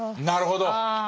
なるほど。